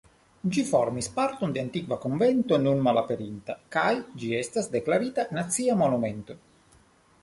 Ĝi formis parton de antikva konvento nun malaperinta kaj ĝi estas deklarita Nacia Monumento.